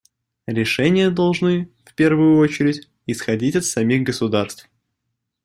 Решения должны, в первую очередь, исходить от самих государств.